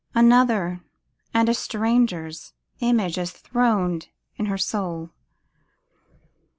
Another, and a stranger's, image is throned in her soul.